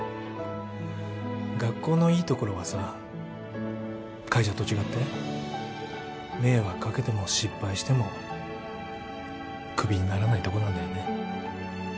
学校のいいところはさ会社と違って迷惑かけても失敗してもクビにならないとこなんだよね